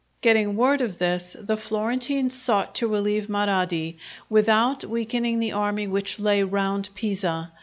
Getting word of this, the Florentines sought to relieve Marradi, without weakening the army which lay round Pisa.